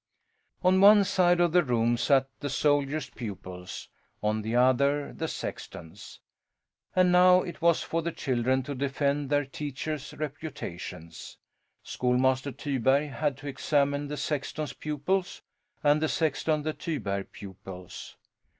On one side of the room sat the soldier's pupils, on the other the sexton's. And now it was for the children to defend their teachers' reputations. Schoolmaster Tyberg had to examine the sexton's pupils, and the sexton the Tyberg pupils.